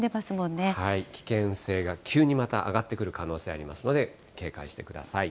危険性が急にまた上がってくる可能性ありますので、警戒してください。